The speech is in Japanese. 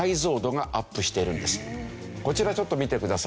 こちらちょっと見てください。